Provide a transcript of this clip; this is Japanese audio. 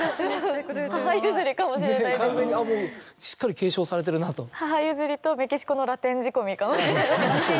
完全にもうしっかり継承されてるなと。